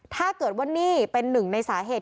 ถ้าเกิดว่านี่เป็นหนึ่งในสาเหตุ